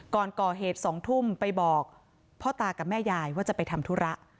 ก่อนก่อเหตุ๒ทุ่มไปบอกพ่อตากับแม่ยายว่าจะไปทำธุระ